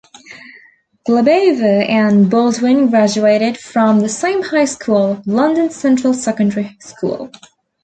Glebova and Baldwin graduated from the same high school, London Central Secondary School.